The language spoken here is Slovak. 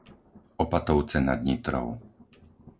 Opatovce nad Nitrou